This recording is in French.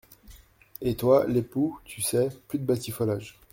Et toi, l’époux, tu sais, plus de batifolage !